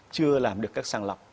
chưa làm được các sàng lập